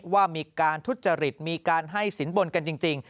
ว่ามีการทุจริตมีการให้สินบนกันจริง